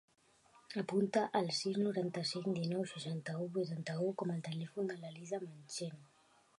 Apunta el sis, noranta-cinc, dinou, seixanta-u, vuitanta-u com a telèfon de l'Elisa Mancheño.